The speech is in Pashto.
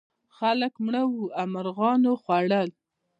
خلک مړه وو او مرغانو خوړل.